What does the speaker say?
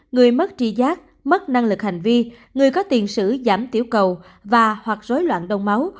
người mất tri giác mất năng lực hành vi người có tiền sử giảm tiểu cầu và hoặc rối loạn đông máu